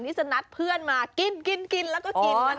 ที่จะนัดเพื่อนมากินแล้วก็กิน